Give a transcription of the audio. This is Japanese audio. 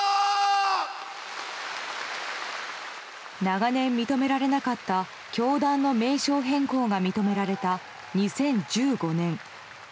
長年認められなかった教団の名称変更が認められた２０１５年。